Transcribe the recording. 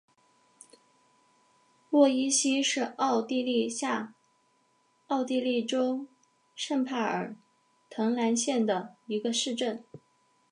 洛伊希是奥地利下奥地利州圣帕尔滕兰县的一个市镇。